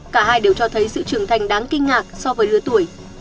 cả hai đều cho thấy sự trưởng thành đáng kinh ngạc so với lứa tuổi